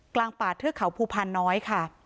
กลางป่าเทือกเขาภูพาน้อยค่ะ